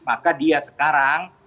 maka dia sekarang